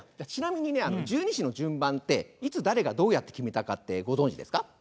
ちなみにね十二支の順番っていつ誰がどうやって決めたかってご存じですか？